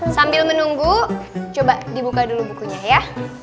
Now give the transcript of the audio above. sambil menunggu coba dibuka dulu bukunya ya